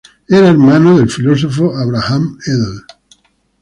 Era hermano del filósofo Abraham Edel.